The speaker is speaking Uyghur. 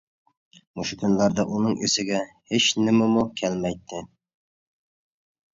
مۇشۇ كۈنلەردە ئۇنىڭ ئېسىگە ھېچنېمىمۇ كەلمەيتتى.